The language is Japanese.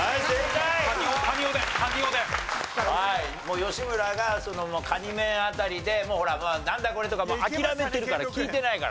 吉村がカニ面辺りで「なんだ？これ」とか諦めてるから聞いてないから。